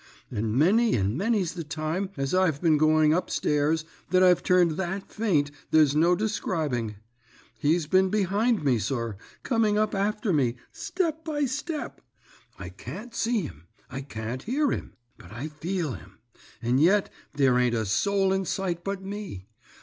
And many and many's the time as I've been going up stairs that I've turned that faint there's no describing. He's been behind me, sir, coming up after me, step by step. I can't see him, I can't hear him, but I feel him; and yet there ain't a soul in sight but me.